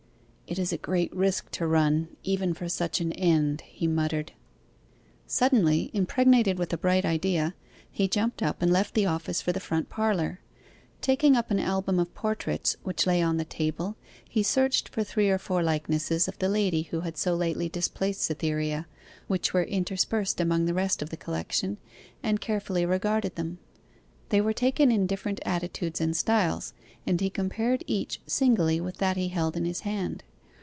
'It is a great risk to run, even for such an end,' he muttered. Suddenly, impregnated with a bright idea, he jumped up and left the office for the front parlour. Taking up an album of portraits, which lay on the table, he searched for three or four likenesses of the lady who had so lately displaced Cytherea, which were interspersed among the rest of the collection, and carefully regarded them. They were taken in different attitudes and styles, and he compared each singly with that he held in his hand.